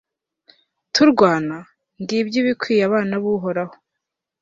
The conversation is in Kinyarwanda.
turwana, ngibyo ibikwiye abana b'uhoraho